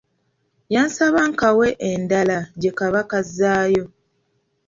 Yansaba nkawe endala gye kaba kazzaayo.